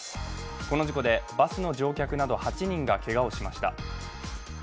この事故で、バスの乗客など８人がけがをしました。